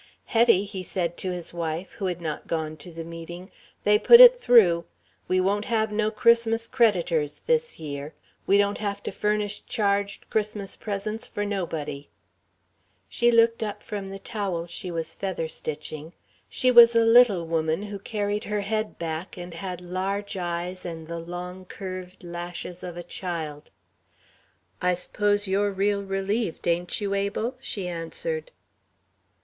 "Hetty," he said to his wife, who had not gone to the meeting, "they put it through. We won't have no Christmas creditors this year. We don't have to furnish charged Christmas presents for nobody." She looked up from the towel she was featherstitching she was a little woman who carried her head back and had large eyes and the long, curved lashes of a child. "I s'pose you're real relieved, ain't you, Abel?" she answered.